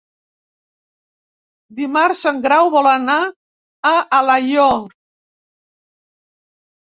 Dimarts en Grau vol anar a Alaior.